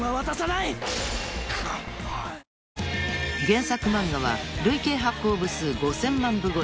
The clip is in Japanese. ［原作漫画は累計発行部数５，０００万部超え］